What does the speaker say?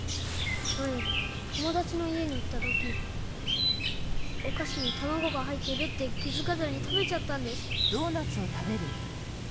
まえともだちのいえにいったときおかしにたまごがはいってるってきづかずにたべちゃったんです。